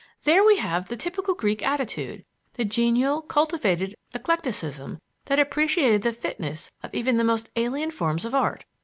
"There we have the typical Greek attitude, the genial, cultivated eclecticism that appreciated the fitness of even the most alien forms of art.